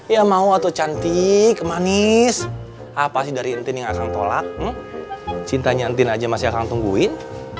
ya mau atau cantik manis apa sih dari entin yang akan tolak cinta nyantin aja masih akan tungguin